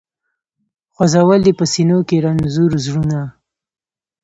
خو ځول یې په سینو کي رنځور زړونه